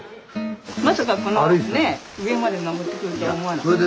まさかこのねえ上まで上ってくるとは思わなかった。